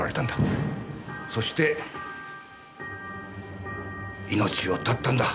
そして命を絶ったんだ。